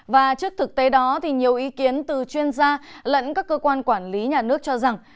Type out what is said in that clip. và trước thực tế đó nhiều ý kiến từ chuyên gia lẫn các cơ quan quản lý nhà nước cho rằng